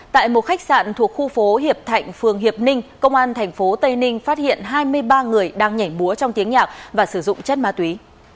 tại một khách sạn thuộc khu phố hiệp thạnh phường hiệp ninh công an tp tây ninh phát hiện hai mươi ba người đang nhảy múa trong tiếng nhạc và sử dụng chất ma túy